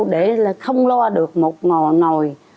để là không lo được một ngò nồi